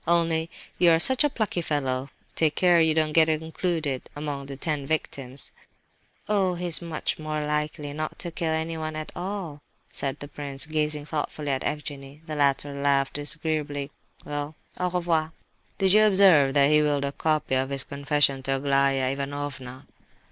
"Only you are such a plucky fellow, take care you don't get included among the ten victims!" "Oh, he is much more likely not to kill anyone at all," said the prince, gazing thoughtfully at Evgenie. The latter laughed disagreeably. "Well, au revoir! Did you observe that he 'willed' a copy of his confession to Aglaya Ivanovna?"